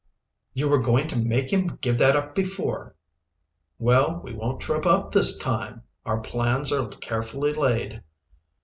"You were going to make him give that up before." "Well, we won't trip up this time. Our plans are carefully laid."